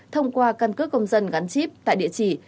thông qua căn cước công dân gắn chip tại địa chỉ